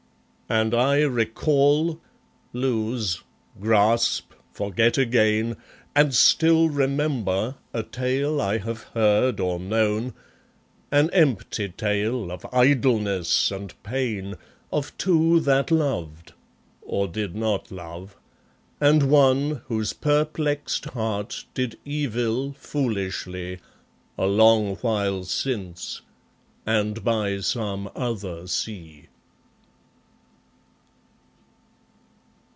And I recall, lose, grasp, forget again, And still remember, a tale I have heard, or known, An empty tale, of idleness and pain, Of two that loved or did not love and one Whose perplexed heart did evil, foolishly, A long while since, and by some other sea.